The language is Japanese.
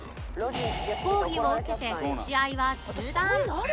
抗議を受けて試合は中断